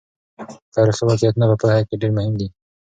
تاریخي واقعیتونه په پوهه کې ډېر مهم دي.